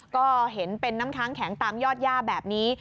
ก็เห็นเป็นน้ำค้างแข็งตามยอดย่าแบบนี้